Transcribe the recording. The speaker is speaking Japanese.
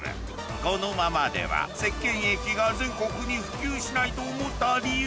このままでは石けん液が全国に普及しないと思った理由